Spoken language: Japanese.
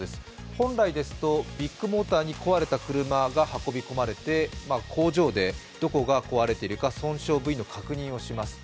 本来ですとビッグモーターに壊れた車が運びこまれて、工場で、どこが壊れているか損傷部位の確認をします。